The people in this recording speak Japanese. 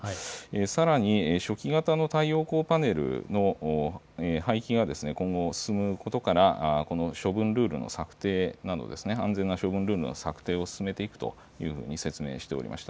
さらに初期型の太陽光パネルの廃棄が今後進むことからこの処分ルールの策定など、安全な処分ルールの策定を進めていくと説明をしておりました。